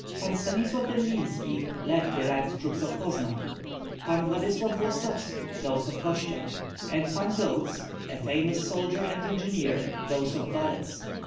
Tan Stanislav Dembinski led the land troops of Poznan, Pan Vladyslav Vlostovski those of Kostsian, and Pan Golts, a famous soldier and engineer, those of Valets.